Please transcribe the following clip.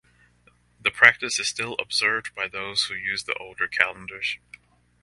The practice is still observed by those who use the older calendars.